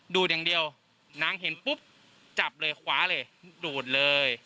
ดูดอย่างเดียวนางเห็นปุ๊บจับเลยขวาเลยดูดเลย